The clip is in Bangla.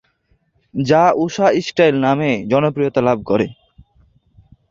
যা ঊষা স্টাইল নামে জনপ্রিয়তা লাভ করে।